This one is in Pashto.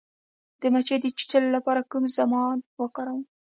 د مچۍ د چیچلو لپاره کوم ضماد وکاروم؟